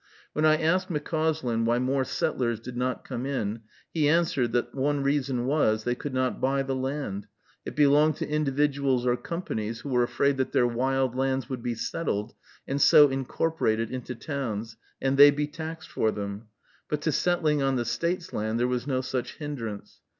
When I asked McCauslin why more settlers did not come in, he answered, that one reason was, they could not buy the land, it belonged to individuals or companies who were afraid that their wild lands would be settled, and so incorporated into towns, and they be taxed for them; but to settling on the State's land there was no such hindrance.